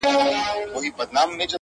• ټول بکواسیات دي؛